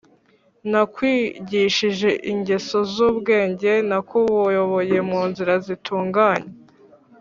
nakwigishije ingeso z’ubwenge, nakuyoboye mu nzira zitunganye